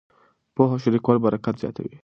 پوهه شریکول برکت زیاتوي.